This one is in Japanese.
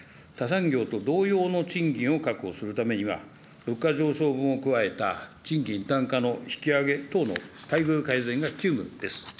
他産業と同様の賃金を確保するためには、物価上昇分を加えた賃金単価の引き上げ等の待遇改善が急務です。